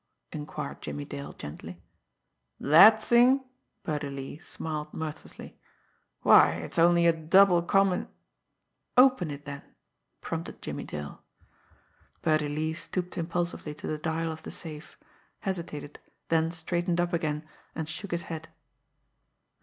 inquired Jimmie Dale gently. "That thing!" Birdie Lee smiled mirthlessly. "Why it's only a double combin " "Open it, then," prompted Jimmie Dale. Birdie Lee stooped impulsively to the dial of the safe; hesitated, then straightened up again, and shook his head.